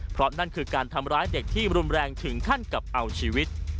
เพราะนั่นคือการทำร้ายเด็กที่รุนแรงถึงขั้นกับเอาชีวิต